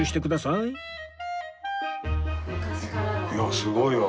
いやすごいわ。